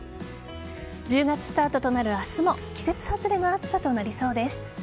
１０月スタートとなる明日も季節外れの暑さとなりそうです。